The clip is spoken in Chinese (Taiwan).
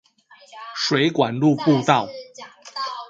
水管路步道